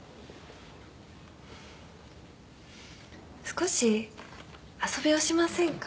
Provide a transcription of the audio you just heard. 少し遊びをしませんか？